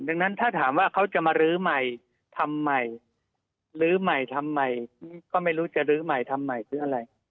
ดังนั้นถ้าถามว่าเขาจะมาลื้อใหม่ทำใหม่ลื้อใหม่ทำใหม่ก็ไม่รู้จะลื้อใหม่ทำใหม่ซื้ออะไร